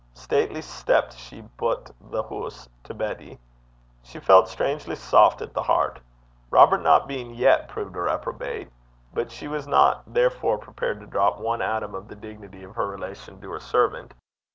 'Stately stept she butt the hoose' to Betty. She felt strangely soft at the heart, Robert not being yet proved a reprobate; but she was not therefore prepared to drop one atom of the dignity of her relation to her servant.